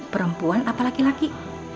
perempuan apa laki laki